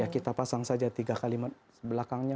kita pasang saja tiga kalimat belakangnya